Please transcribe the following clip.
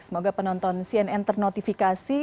semoga penonton cnn ternotifikasi